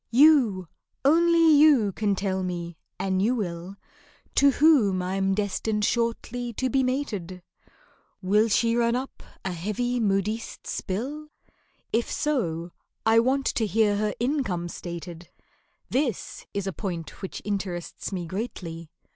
You—only you—can tell me, an' you will, To whom I'm destined shortly to be mated, Will she run up a heavy modiste's bill? If so, I want to hear her income stated (This is a point which interests me greatly).